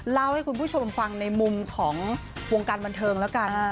เล่าให้คุณผู้ชมฟังในมุมของวงการบันเทิงแล้วกัน